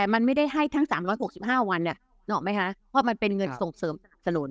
ไม่ได้ให้ทั้งสามร้อยหกสิบห้าวันอะนอดไหมฮะเพราะมันเป็นเงินส่งเสริมเสริม